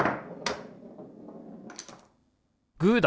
グーだ！